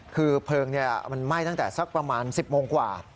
คือเพลิงมันไหม้ตั้งแต่สักประมาณ๑๐โมงกว่า